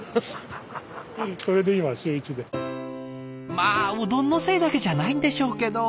まあうどんのせいだけじゃないんでしょうけど。